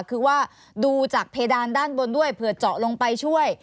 คือว่าดูจากเพดานด้านบนด้วยเผื่อเจาะลงไปช่วย